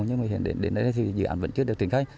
nhưng hiện đến đây dự án vẫn chưa được triển khai